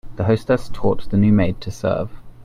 The hostess taught the new maid to serve.